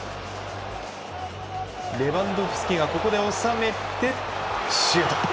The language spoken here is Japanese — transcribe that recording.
レバンドフスキが収めてシュート。